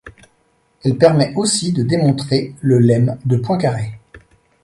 Elle permet aussi de démontrer le lemme de Poincaré.